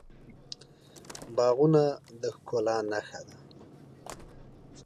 باغونه د ښکلا نښه ده.